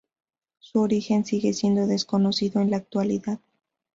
Su origen sigue siendo desconocido en la actualidad.